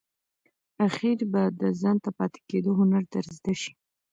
آخیر به د ځانته پاتې کېدو هنر در زده شي !